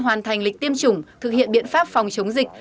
hoàn thành lịch tiêm chủng thực hiện biện pháp phòng chống dịch